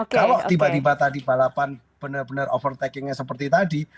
kalau tiba tiba tadi balapan benar benar overtakingnya seperti tadi